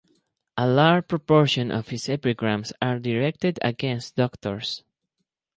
A large proportion of his epigrams are directed against doctors.